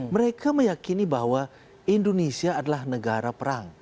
mereka meyakini bahwa indonesia adalah negara perang